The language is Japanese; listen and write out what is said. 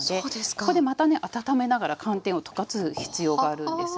ここでまたね温めながら寒天を溶かす必要があるんですね。